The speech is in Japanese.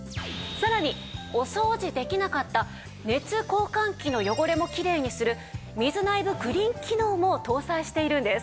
さらにお掃除できなかった熱交換器の汚れもきれいにする水内部クリーン機能も搭載しているんです。